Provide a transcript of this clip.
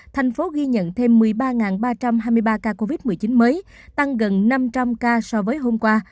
thành phố ghi nhận thêm một mươi ba ba trăm hai mươi ba ca covid một mươi chín mới tăng gần năm trăm linh ca so với hôm qua